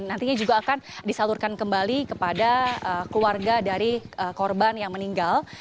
jadi itu akan disalurkan kembali kepada keluarga dari korban yang meninggal